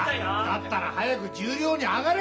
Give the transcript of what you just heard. だったら早く十両に上がれ。